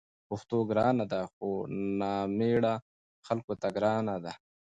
پښتو ګرانه ده؛ خو نامېړه خلکو ته ګرانه ده